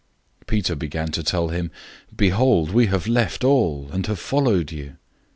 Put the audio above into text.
010:028 Peter began to tell him, "Behold, we have left all, and have followed you."